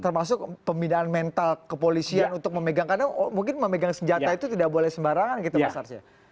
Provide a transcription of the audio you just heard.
termasuk pembinaan mental kepolisian untuk memegang karena mungkin memegang senjata itu tidak boleh sembarangan gitu mas arsya